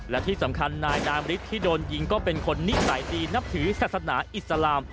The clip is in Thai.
และที่สำคัญนายนามฤทธิที่โดนยิงก็เป็นคนนิสัยดีนับถือศาสนาอิสลาม